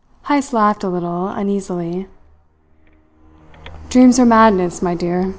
Heyst laughed a little uneasily. "Dreams are madness, my dear.